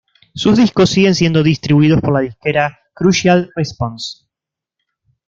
Sus discos siguen siendo distribuidos por la disquera Crucial Response.